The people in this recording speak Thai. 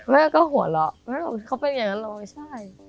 แม่ก็หัวเลาะเขาเป็นอย่างนั้นเลยใช่